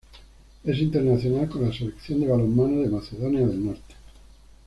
Es internacional con la selección de balonmano de Macedonia del Norte.